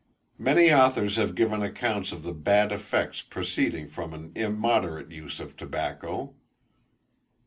Many authors have given accounts of the bad effects proceeding from an immoderate use of tobacco.